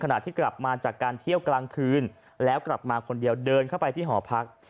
ขณะที่กลับมาจากการเที่ยวกลางคืนแล้วกลับมาคนเดียวเดินเข้าไปที่หอพัก